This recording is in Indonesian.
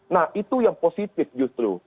nah itu yang positif justru